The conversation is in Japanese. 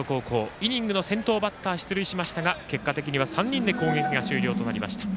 イニングの先頭バッター出塁しましたが結果的には３人で攻撃が終了となりました。